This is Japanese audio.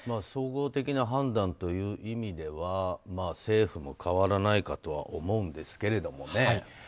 総合的な判断という意味では政府も変わらないかとは思いますけどもね。